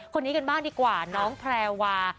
คนนี้กันบ้างดีกว่าน้องแพรวา